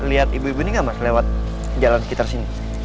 liat ibu ibu ini gak lewat jalan sekitar sini